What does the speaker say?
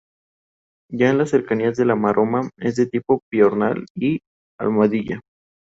Ya en las cercanías de la Maroma es de tipo piornal y almohadilla.